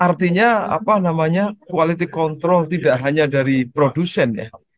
artinya apa namanya quality control tidak hanya dari produsen ya